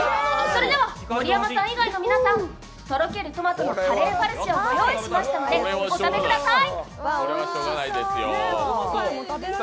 それでは、盛山さん以外の皆さん、とろけるトマトのカレーファルシをご用意しましたのでお食べください。